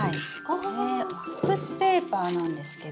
これワックスペーパーなんですけど。